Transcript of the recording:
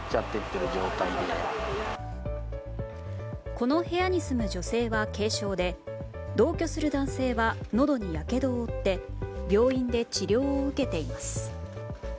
この部屋に住む女性は軽傷で同居する男性はのどにやけどを負って病院で治療を受けています。